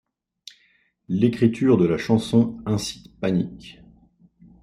L'écriture de la chanson incite Panic!